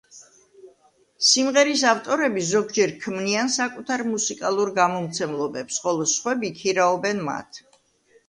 სიმღერის ავტორები ზოგჯერ ქმნიან საკუთარ მუსიკალურ გამომცემლობებს, ხოლო სხვები ქირაობენ მათ.